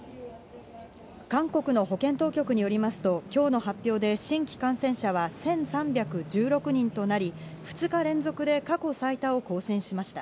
韓国の保健当局によりますと、きょうの発表で新規感染者は１３１６人となり、２日連続で過去最多を更新しました。